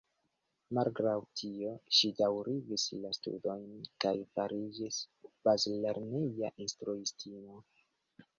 Malgraŭ tio, ŝi daŭrigis la studojn kaj fariĝis bazlerneja instruistino.